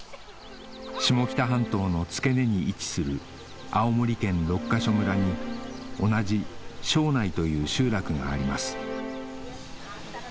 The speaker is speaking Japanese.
下北半島の付け根に位置する青森県六ヶ所村に同じ「庄内」という集落があります